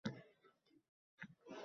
Bu joyning odami o’z kunduzini